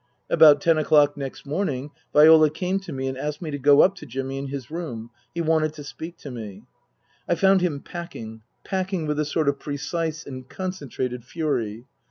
About ten o'clock next morning Viola came to me and asked me to go up to Jimmy, in his room. He wanted to speak to me. I found him packing, packing with a sort of precise and concentrated fury.